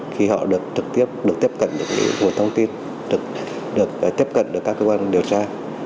khi họ được trực tiếp được tiếp cận được những nguồn thông tin được tiếp cận được các cơ quan điều tra